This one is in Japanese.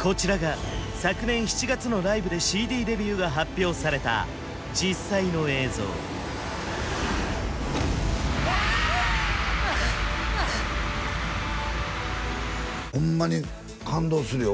こちらが昨年７月のライブでＣＤデビューが発表された実際の映像ホンマに感動するよ